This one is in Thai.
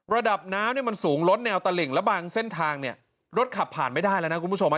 ระดับน้ำเนี่ยมันสูงลดแนวตลิ่งแล้วบางเส้นทางเนี่ยรถขับผ่านไม่ได้แล้วนะคุณผู้ชม